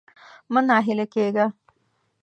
مه ناهيلی کېږه.